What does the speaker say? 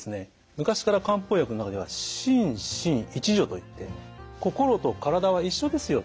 昔から漢方薬の中には「心身一如」といって心と体は一緒ですよと。